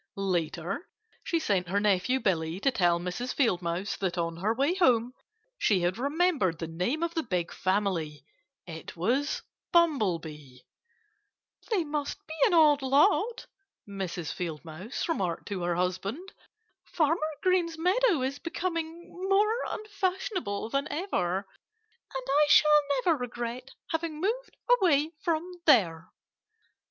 Later she sent her nephew Billy to tell Mrs. Field Mouse that on her way home she had remembered the name of the big family. It was Bumblebee. "They must be an odd lot," Mrs. Field Mouse remarked to her husband. "Farmer Green's meadow is becoming more unfashionable than ever. And I shall never regret having moved away from there."